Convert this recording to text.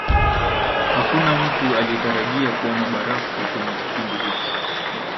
hakuna mtu aliyetarajia kuona barafu kwenye kipindi hiki